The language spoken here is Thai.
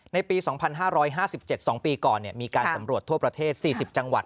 ในปี๒๕๕๗๒ปีก่อนมีการสำรวจทั่วประเทศ๔๐จังหวัด